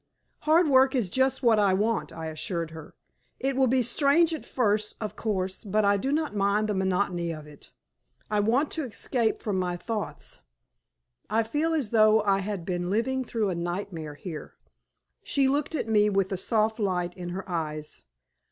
"Hard work is just what I want," I assured her. "It will be strange at first, of course, but I do not mind the monotony of it. I want to escape from my thoughts. I feel as though I had been living through a nightmare here." She looked at me with a soft light in her eyes.